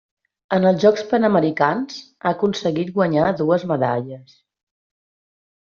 En els Jocs Panamericans ha aconseguit guanyar dues medalles.